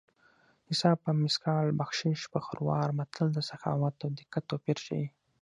حساب په مثقال بخشش په خروار متل د سخاوت او دقت توپیر ښيي